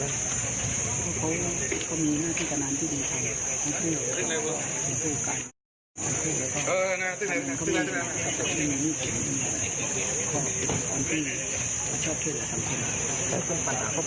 มันก็ควรควรมีความอ่อนเกิน